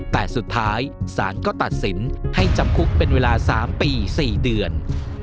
แต่สุดท้ายศาลก็ตัดสินให้จำคุกเป็นเวลา๓ปี๔เดือน